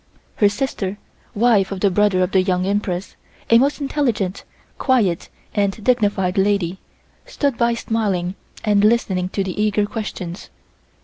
Her sister, wife of the brother of the Young Empress, a most intelligent, quiet and dignified lady, stood by smiling and listening to the eager questions.